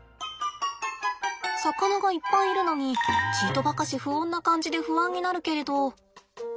魚がいっぱいいるのにちいとばかし不穏な感じで不安になるけれど。